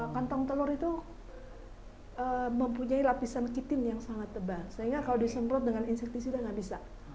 kantong telur itu mempunyai lapisan kitin yang sangat tebal sehingga kalau disemprot dengan insettisi itu nggak bisa